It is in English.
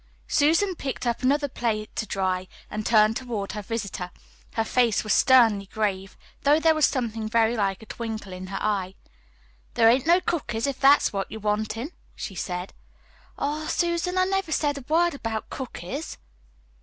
Susan picked up another plate to dry and turned toward her visitor. Her face was sternly grave, though there was something very like a twinkle in her eye. "There ain't no cookies, if that's what you're wantin'," she said. "Aw, Susan, I never said a word about cookies."